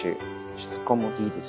質感もいいですね